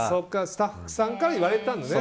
スタッフさんから言われたんだね。